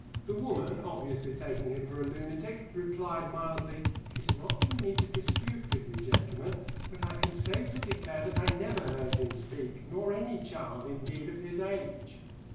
The woman, obviously taking him for a lunatic, replied mildly: "It is not for me to dispute with you gentlemen, but I can safely declare that I never heard him speak, nor any child, indeed, of his age."